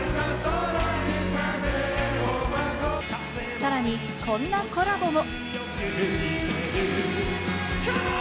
さらに、こんなコラボも。